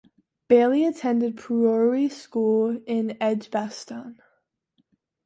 Bailey attended Priory School in Edgbaston.